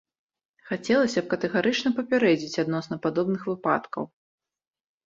Хацелася б катэгарычна папярэдзіць адносна падобных выпадкаў.